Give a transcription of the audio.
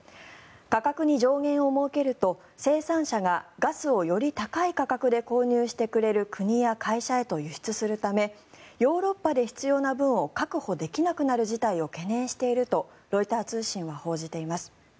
価格に上限を設けると生産者が、ガスをより高い価格で購入してくれる国や会社へと輸出するためヨーロッパで必要な分を確保できなくなる事態を懸念しているとロイター通信は報じています。